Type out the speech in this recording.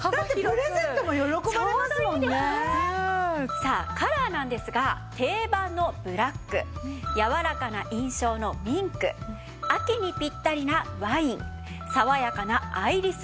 さあカラーなんですが定番のブラック柔らかな印象のミンク秋にぴったりなワイン爽やかなアイリス